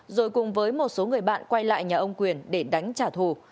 rồi cùng với một số người bạn quay lại nhà ông quyền để đánh trả thù